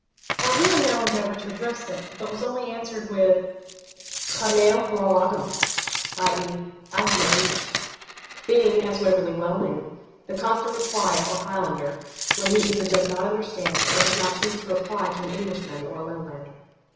Our hero now endeavoured to address them, but was only answered with 'Cha n'eil Beurl agam' i.e. 'I have no English,' being, as Waverley well knew, the constant reply of a Highlander when he either does not understand or does not choose to reply to an Englishman or Lowlander.